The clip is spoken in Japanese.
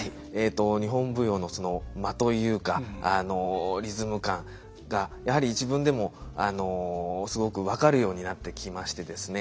日本舞踊のその「間」というかリズム感がやはり自分でもすごく分かるようになってきましてですね。